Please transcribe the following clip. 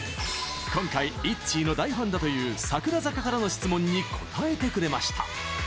今回ＩＴＺＹの大ファンだという櫻坂からの質問に答えてくれました。